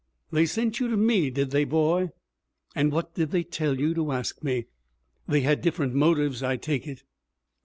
'They sent you to me, did they, boy? And what did they tell you to ask me? They had different motives, I take it.'